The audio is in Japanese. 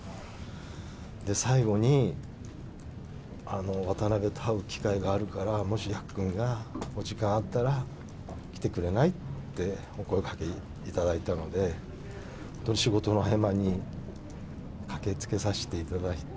最後に渡辺と会う機会があるから、もしやっくんがお時間あったら来てくれない？ってお声がけいただいたので、本当に仕事の合間に駆けつけさせていただいて、